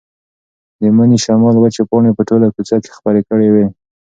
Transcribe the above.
د مني شمال وچې پاڼې په ټوله کوڅه کې خپرې کړې وې.